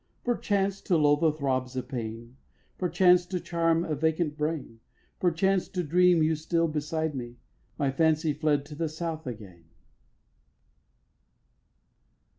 Perchance, to lull the throbs of pain, Perchance, to charm a vacant brain, Perchance, to dream you still beside me, My fancy fled to the South again.